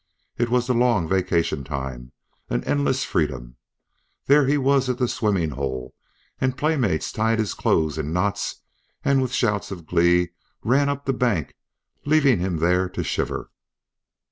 It was the long vacationtime, an endless freedom. Then he was at the swimming hole, and playmates tied his clothes in knots, and with shouts of glee ran up the bank leaving him there to shiver.